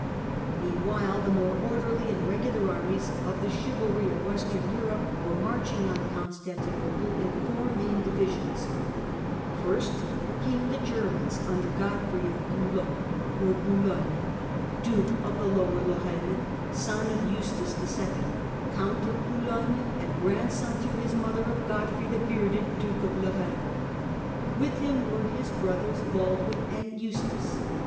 Meanwhile, the more orderly and regular armies of the chivalry of Western Europe were The marching on Constantinople in four main divisions, the Main° First Came the Germans under Godfrey of Bouillon or Ho^* Boulogne, Duke of Lower Lorraine, son of Eustace II. Count of Boulogne and grandson through his mother of Godfrey the Bearded, Duke of Lorraine. With him were his brothers Baldwin and Eustace.